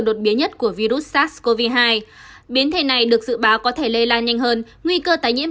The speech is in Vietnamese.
đột biến nhất của virus sars cov hai biến thể này được dự báo có thể lây lan nhanh hơn nguy cơ tái nhiễm